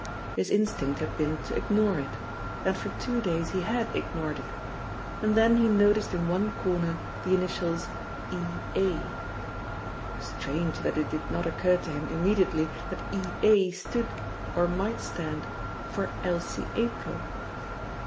His instinct had been to ignore it, and for two days he had ignored it, and then he noticed in one corner the initials "E.A." Strange that it did not occur to him immediately that E.A. stood, or might stand, for Elsie April!